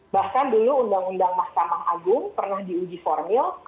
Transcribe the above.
bahkan dulu undang undang mahkamah agung pernah diuji formil